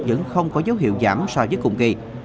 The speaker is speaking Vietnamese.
vẫn không có dấu hiệu giảm so với cùng kỳ